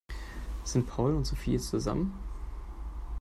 Sind Paul und Sophie jetzt zusammen?